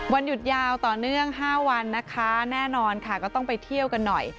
วันหยุดยาวต่อเนื่อง๕วันนะคะแน่นอนค่ะก็ต้องไปเที่ยวกันหน่อย